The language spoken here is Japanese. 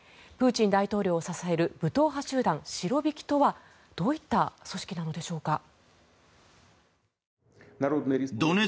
プーチン大統領を支える武闘派集団シロビキとはどういった組織なんでしょうか。